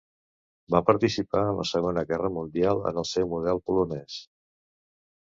Va participar en la Segona Guerra Mundial en el seu model polonès.